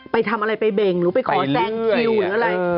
ไปทำอะไรไปเบ่งหรือไปขอแซงคิวหรืออะไร